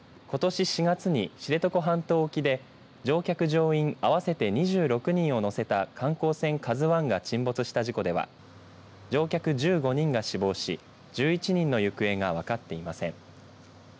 ことし４月に、知床半島沖で乗客、乗員合わせて２６人を乗せた観光船ＫＡＺＵＩが沈没した事故では乗客１５人が死亡し１１人の行方が分かっていません。